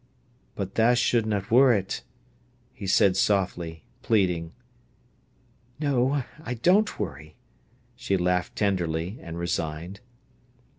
"But tha shouldna worrit!" he said softly, pleading. "No, I don't worry!" she laughed tenderly and resigned.